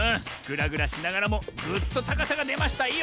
ぐらぐらしながらもぐっとたかさがでましたよ！